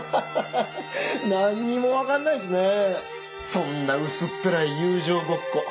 そんな薄っぺらい友情ごっこ